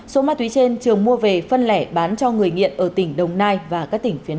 số ma túy trên trường mua về phân lẻ bán cho người nghiện ở tỉnh đồng nai và các tỉnh phía nam